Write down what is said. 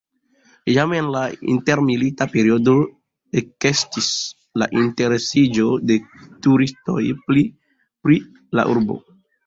Jam en la intermilita periodo ekestis la interesiĝo de turistoj pri la urbo.